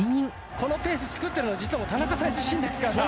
このペースつくってるのは実は田中さん自身ですから。